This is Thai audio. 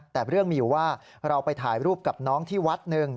แต่เรื่องมีอยู่ว่าเราไปถ่ายรูปกับน้องที่วัดหนึ่ง